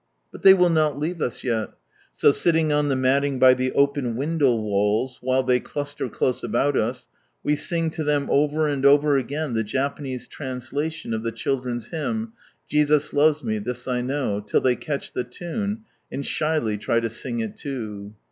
But ihey will not leave us yet. So sitting on the malting by the open window walls, while they cluster close about us, we sing to them over and over again the Japanese translation of the children's hymn, "Jesus loves me, this I know" till they catch the tune, and shyly try to sing it too.